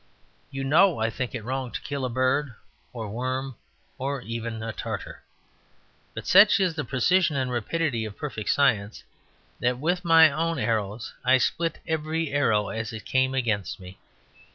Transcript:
You know, I think it wrong to kill a bird, or worm, or even a Tartar. But such is the precision and rapidity of perfect science that, with my own arrows, I split every arrow as it came against me.